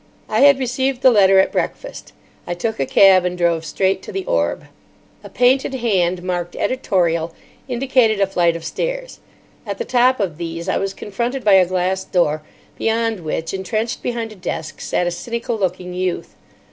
I had received the letter at breakfast. I took a cab, and drove straight to the Orb. A painted hand, marked "Editorial," indicated a flight of stairs. At the top of these I was confronted by a glass door, beyond which, entrenched behind a desk, sat a cynical looking youth.